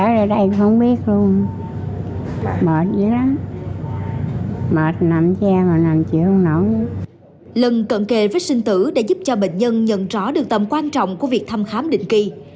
lần cận kề vết sinh tử đã giúp cho bệnh nhân nhận rõ được tầm quan trọng của việc thăm khám định kỳ